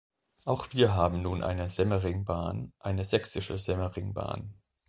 Auch wir haben nun eine Semmeringbahn, eine Sächsische Semmeringbahn.